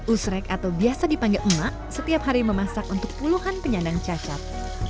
usrek atau biasa dipanggil emak setiap hari memasak untuk puluhan penyandang cacat